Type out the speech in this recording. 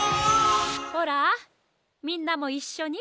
ほらみんなもいっしょに！